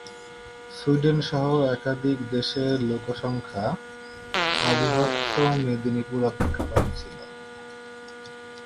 Sweden সহ একাধিক দেশের লোকসংখ্যা অবিভক্ত মেদিনীপুর অপেক্ষা কম ছিল।